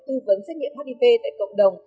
tư vấn xét nghiệm hiv tại cộng đồng